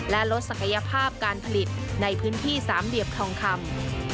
และลดศักยภาพการผลิตในพื้นที่สามเหลี่ยมทองคำ